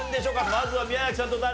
まずは宮崎さんと誰？